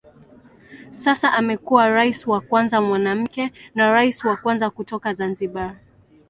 Sasa amekuwa rais wa kwanza mwanamke na rais wa kwanza kutoka Zanzibar.